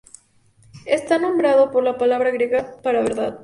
Está nombrado por la palabra griega para "verdad".